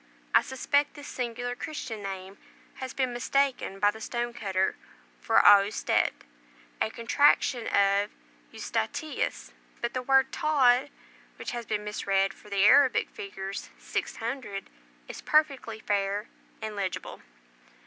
I suspect this singular Christian name has been mistaken by the stone cutter for Austet, a contraction of Eustatius, but the word Tod, which has been mis read for the Arabic figures 600, is perfectly fair and legible.